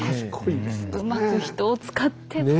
うまく人を使って造って。